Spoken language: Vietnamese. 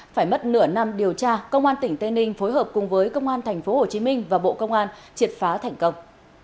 phải mất nửa năm điều tra công an tỉnh tây ninh phối hợp cùng với công an tp hcm và bộ công an triệt phá thành công